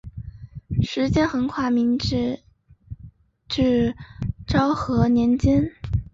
时间横跨明治至昭和年间。